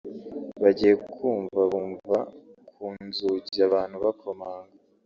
Bagiye kumva bumva ku nzugi abantu bakomanga